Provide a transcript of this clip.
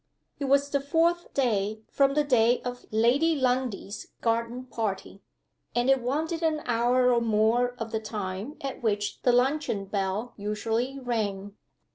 It was the fourth day from the day of Lady Lundie's garden party, and it wanted an hour or more of the time at which the luncheon bell usually rang.